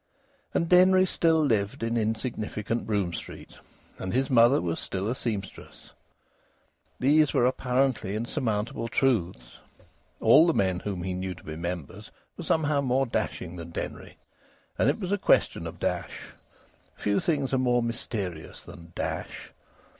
And Denry still lived in insignificant Brougham Street, and his mother was still a sempstress! These were apparently insurmountable truths. All the men whom he knew to be members were somehow more dashing than Denry and it was a question of dash; few things are more mysterious than dash.